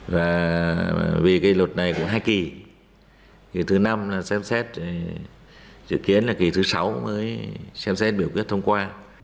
và vì cái luật này của hai kỳ thì thứ năm là xem xét dự kiến là kỳ thứ sáu mới xem xét biểu quyết thông qua